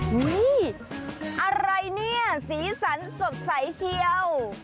นี่อะไรนี่สีสันสดใสเชี่ยว